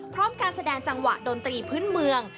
พร้อมการแสดงจังหวะดนตรีพื้นเมือง